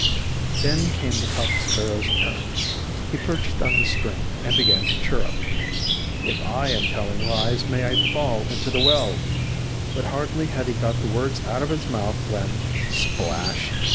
Then came the Cock sparrow's turn. He perched on the string and began to chirrup, "If I am telling lies, may I fall into the well;" but hardly had he got the words out of his mouth, when splash!